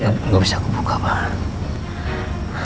ya gak bisa aku buka pak